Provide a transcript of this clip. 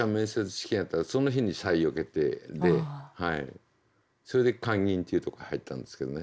試験やったらその日に採用決定でそれで勧銀っていうとこ入ったんですけどね。